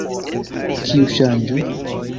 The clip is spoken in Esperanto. Kiu ŝanĝo?